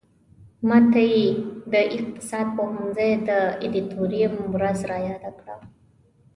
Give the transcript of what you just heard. ماته یې د اقتصاد پوهنځي د ادیتوریم ورځ را یاده کړه.